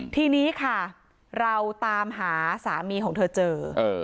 ทีนี้ค่ะเราตามหาสามีของเธอเจอ